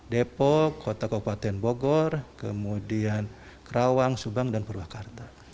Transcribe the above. depok kota kabupaten bogor kemudian kerawang subang dan purwakarta